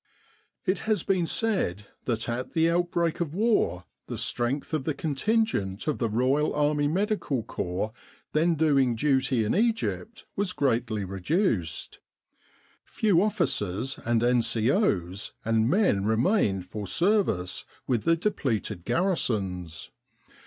It has been said that at the outbreak of war the strength of the contingent of the Royal Army Medical Corps then doing duty in Egypt was greatly reduced. Few officers and N.C.O.'s and men re mained for service with the depleted garrisons.